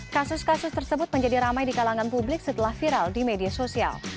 kasus kasus tersebut menjadi ramai di kalangan publik setelah viral di media sosial